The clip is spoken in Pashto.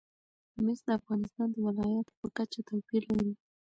مس د افغانستان د ولایاتو په کچه توپیر لري.